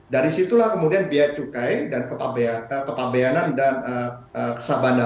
dari situlah kemudian biaya cukai dan kepabeanan dan kesabana